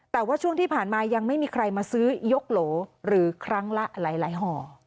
แต่ว่าช่วงที่ผ่านมายังไม่มีใครมาซื้อยกโหลหรือครั้งละหลายห่อ